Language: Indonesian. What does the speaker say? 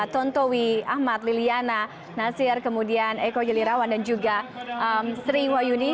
tontowi ahmad liliana nasir kemudian eko jelirawan dan juga sriwayuni